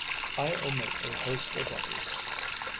I omit a host of others.